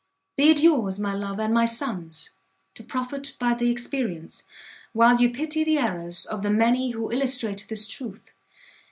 Be it yours, my love, and my son's, to profit by the experience, while you pity the errors, of the many who illustrate this truth.